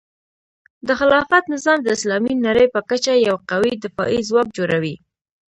د خلافت نظام د اسلامي نړۍ په کچه یو قوي دفاعي ځواک جوړوي.